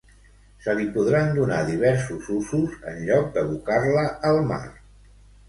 Se li podran donar diversos usos, en lloc d'abocar-la al mar.